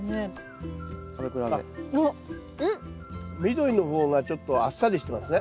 緑の方がちょっとあっさりしてますね。